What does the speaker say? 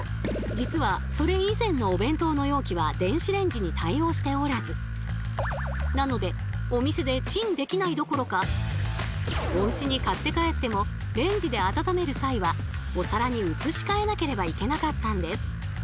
実はそれ以前のお弁当の容器は電子レンジに対応しておらずなのでお店でチンできないどころかおうちに買って帰ってもレンジで温める際はお皿に移し替えなければいけなかったんです。